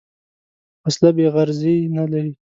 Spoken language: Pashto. وسله بېغرضي نه لري